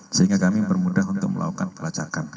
sehingga kami bermudah untuk melakukan pelacakan